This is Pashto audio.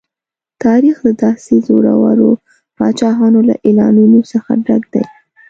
تاریخ د داسې زورورو پاچاهانو له اعلانونو څخه ډک دی.